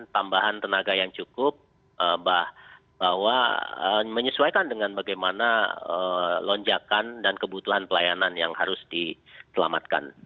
tambahan tenaga yang cukup bahwa menyesuaikan dengan bagaimana lonjakan dan kebutuhan pelayanan yang harus diselamatkan